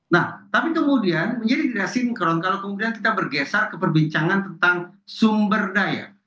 nah tapi kemudian menjadi tidak sinkron kalau kemudian kita bergeser ke perbincangan tentang sumber daya